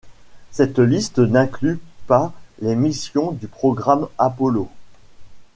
Cette liste n'inclut pas les missions du programme Apollo.